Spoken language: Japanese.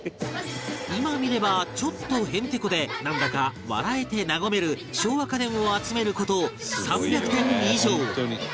今見ればちょっとへんてこでなんだか笑えて和める笑和家電を集める事３００点以上